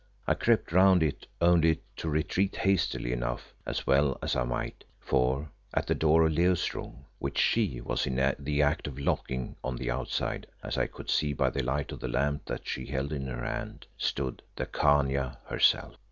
I crept round it only to retreat hastily enough, as well I might, for at the door of Leo's room, which she was in the act of locking on the outside, as I could see by the light of the lamp that she held in her hand, stood the Khania herself.